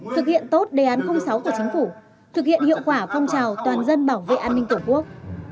thực hiện tốt đề án sáu của chính phủ thực hiện hiệu quả phong trào toàn dân bảo vệ an ninh tổ quốc